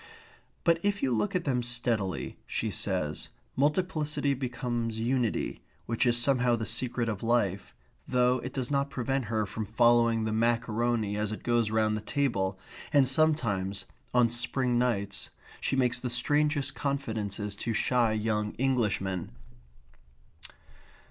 But if you look at them steadily, she says, multiplicity becomes unity, which is somehow the secret of life, though it does not prevent her from following the macaroni as it goes round the table, and sometimes, on spring nights, she makes the strangest confidences to shy young Englishmen.